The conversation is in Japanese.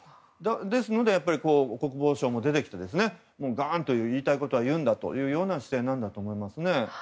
ですので、国防相も出てきてガーンと言いたいことは言うんだという姿勢なんだと思います。